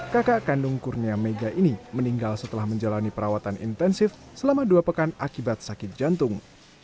kakak kandung kurnia mega ini meninggal setelah menjalani perawatan intensif selama dua pekan akibat sakit jantung